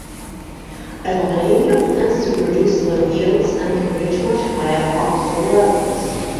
Alvarinho tends to produce low yields and can reach much higher alcohol levels.